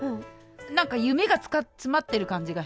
何か夢が詰まってる感じがして。